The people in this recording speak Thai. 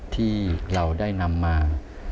ที่เราได้นำมา